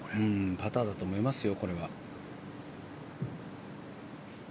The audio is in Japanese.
パターだと思いますよ